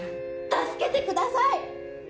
助けてください！